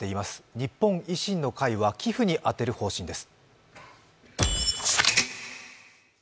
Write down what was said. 日本維新の会は寄付に充てる方針です。